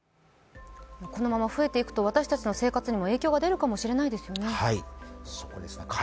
このまま増えていくと私たちの生活にも影響が出るかもしれないですよね。